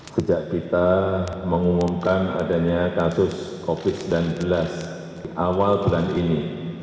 sejak kita mengumumkan adanya kasus covid sembilan belas di awal bulan ini